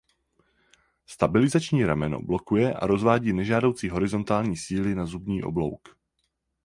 Stabilizační rameno blokuje a rozvádí nežádoucí horizontální síly na zubní oblouk.